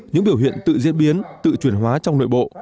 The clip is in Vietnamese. những biểu hiện tự diễn biến tự chuyển hóa trong nội bộ